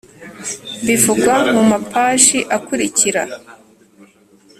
bivugwa mu mapaji akurikira